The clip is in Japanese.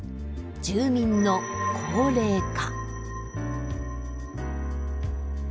住民の高齢化。